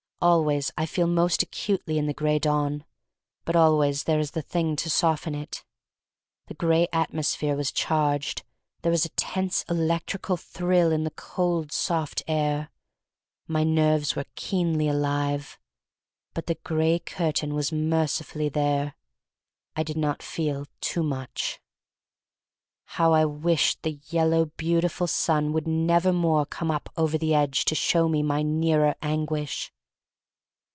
Always I feel most acutely in the Gray Dawn, but always there is the thing to soften it. The gray atmosphere was charged. There was a tense electrical thrill in the cold, soft air. My nerves were keenly alive. But the gray curtain was mercifully there. I did not feel too much. How I wished the yellow, beautiful sun would never more come up over the edge to show me my nearer anguish!